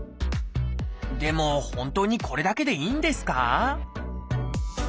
でも本当にこれだけでいいんですか？